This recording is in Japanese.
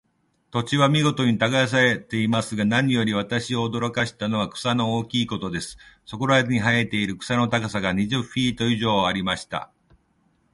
土地は見事に耕されていますが、何より私を驚かしたのは、草の大きいことです。そこらに生えている草の高さが、二十フィート以上ありました。